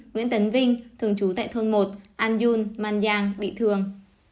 chín nguyễn tấn vinh thường trú tại thôn một an gun mang giang bị thương